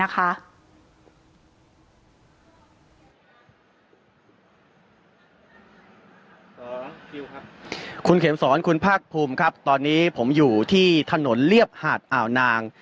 คุณเขมสอนคุณภาคภูมิครับตอนนี้ผมอยู่ที่ถนนเรียบหาดอ่าวนาง